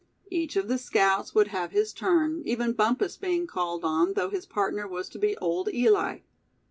Each of the scouts would have his turn, even Bumpus being called on, though his partner was to be old Eli.